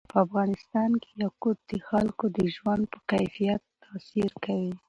په افغانستان کې یاقوت د خلکو د ژوند په کیفیت تاثیر کوي.